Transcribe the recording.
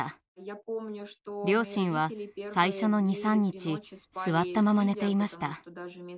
両親は最初の２３日座ったまま寝ていました。